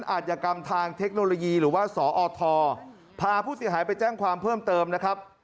อาจยกรรมทางเทคโนโลยีหรือว่าสอทพาผู้เสียหายไปแจ้งความเพิ่มเติมนะครับ